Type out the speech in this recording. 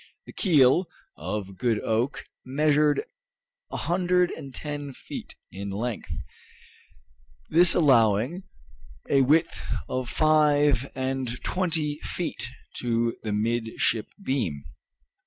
The keel, of good oak, measured 110 feet in length, this allowing a width of five and twenty feet to the midship beam.